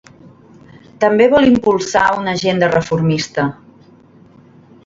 També vol impulsar una agenda reformista.